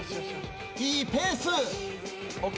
いいペース。ＯＫ。